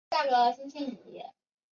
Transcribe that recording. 能达到这种理想境界便无所不能为。